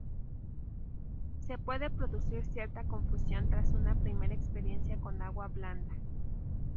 Se puede producir cierta confusión tras una primera experiencia con agua blanda.